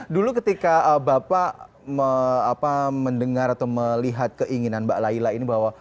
dulu ketika bapak mendengar atau melihat keinginan mbak laila ini bahwa